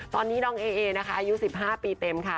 ตอนนี้น้องเอเอนะคะอายุ๑๕ปีเต็มค่ะ